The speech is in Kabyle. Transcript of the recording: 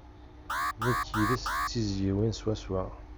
Nekk yid-sen d tizziwin swaswa.